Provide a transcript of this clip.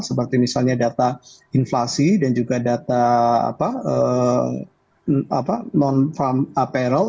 seperti misalnya data inflasi dan juga data non farm payrol